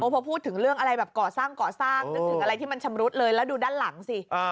พอพูดถึงเรื่องก่อสร้างอะไรที่มันชำรุดเลยแล้วดูด้านหลังสิ